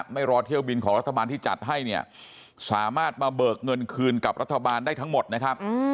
ไม่รอเที่ยวบินของรัฐบาลที่จัดให้เนี่ยสามารถมาเบิกเงินคืนกับรัฐบาลได้ทั้งหมดนะครับ